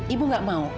ibu gak mau